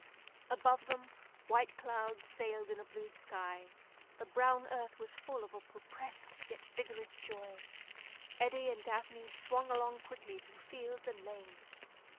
Above them white clouds sailed about a blue sky. The brown earth was full of a repressed yet vigorous joy. Eddy and Daphne swung along quickly through fields and lanes.